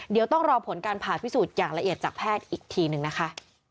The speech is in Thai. เดี๋ยวต้องรอผลการผ่าพิสูจน์อย่างละเอียดจากแพทย์อีกทีหนึ่งนะคะ